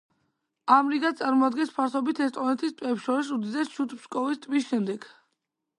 ამრიგად წარმოადგენს ფართობით ესტონეთის ტბებს შორის უდიდესს ჩუდ-ფსკოვის ტბის შემდეგ.